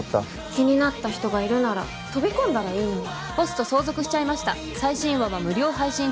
気になった人がいるなら飛び込んだらいいのに。